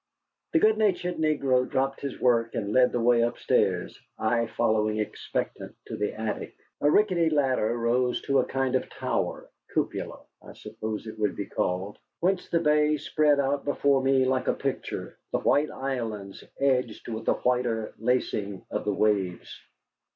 The good natured negro dropped his work and led the way upstairs, I following expectant, to the attic. A rickety ladder rose to a kind of tower (cupola, I suppose it would be called), whence the bay spread out before me like a picture, the white islands edged with the whiter lacing of the waves.